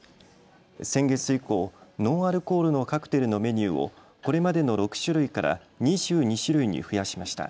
先月以降、ノンアルコールのカクテルのメニューをこれまでの６種類から２２種類に増やしました。